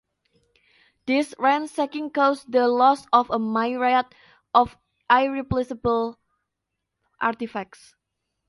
This ransacking caused the loss of a myriad of irreplaceable artifacts.